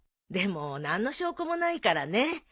でも何の証拠もないからね。